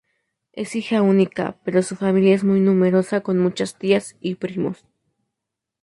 Es hija única, pero su familia es muy numerosa, con muchas tías y primos.